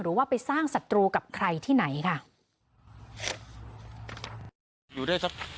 หรือว่าไปสร้างศัตรูกับใครที่ไหนค่ะ